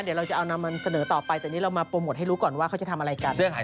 เดี๋ยวเราจะเอานำเสนอต่อไปแต่นี่เรามาโปรโมทให้รู้ก่อนว่าเขาจะทำอะไรกัน